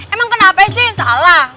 emang kenapa sih salah